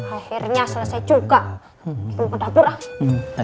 akhirnya selesai juga